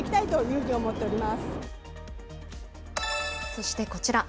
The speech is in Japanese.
そしてこちら。